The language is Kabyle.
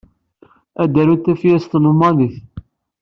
Ad arunt tafyirt s tlalmanit.